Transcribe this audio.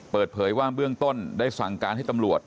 เปิดเผยว่าเบื้องต้นได้สั่งการให้ตำรวจ